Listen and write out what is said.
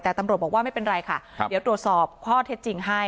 แต่ตำรวจบอกว่าไม่เป็นไรค่ะเดี๋ยวตรวจสอบข้อเท็จจริงให้